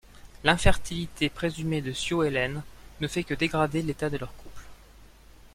L'infertilité présumée de Sue Ellen ne fait que dégrader l'état de leur couple.